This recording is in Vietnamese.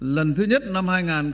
lần thứ nhất năm hai nghìn hai mươi hai